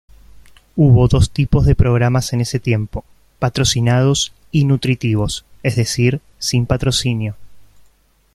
Hubo dos tipos de programas en ese tiempo: "patrocinados" y "nutritivos", i.e., sin patrocinio.